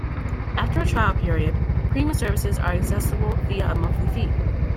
After a trial period, premium services are accessible via a monthly fee.